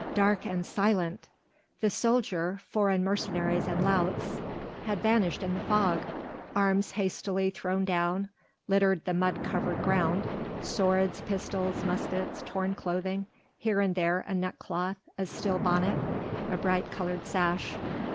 Dark and silent! the soldiers foreign mercenaries and louts had vanished in the fog, arms hastily thrown down littered the mud covered ground, swords, pistols, muskets, torn clothing, here and there a neck cloth, a steel bonnet, a bright coloured sash.